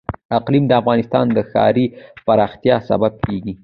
اقلیم د افغانستان د ښاري پراختیا سبب کېږي.